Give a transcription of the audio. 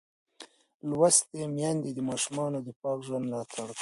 لوستې میندې د ماشومانو د پاک ژوند ملاتړ کوي.